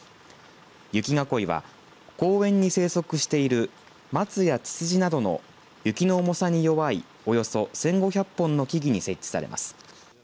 雪囲いは公園に生息している松やつつじなどの雪の重さに弱いおよそ１５００本の木々に設置されます。